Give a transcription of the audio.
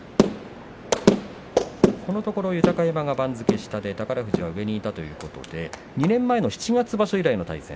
このところ豊山が番付が下で宝富士が上にいたということで２年前の七月場所以来の対戦。